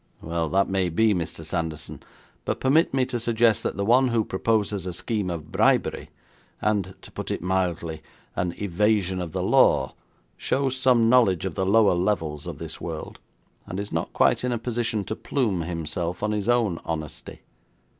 'Well, that may be, Mr. Sanderson, but permit me to suggest that the one who proposes a scheme of bribery, and, to put it mildly, an evasion of the law, shows some knowledge of the lower levels of this world, and is not quite in a position to plume himself on his own honesty.'